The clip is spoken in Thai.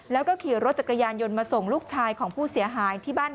แล้วก็ขี่รถจักรยานยนต์มาส่งลูกชายของผู้เสียหายที่บ้าน